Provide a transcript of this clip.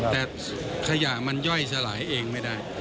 แต่ขยะมันย่อยสลายเองไม่ได้